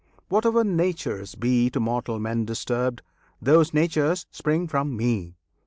Whatever Natures be To mortal men distributed, those natures spring from Me!